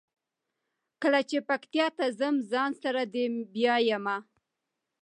کله چې پکتیا ته ځم ځان سره دې بیایمه.